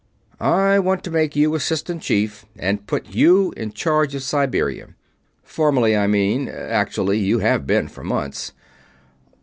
I want to make you Assistant Chief and put you in charge of Siberia. Formally, I mean actually, you have been for months."